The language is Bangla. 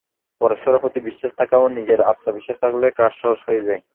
পরস্পরের প্রতি বিশ্বাস থাকা এবং নিজের আত্মবিশ্বাস থাকলে কাজ সহজ হয়ে যায়।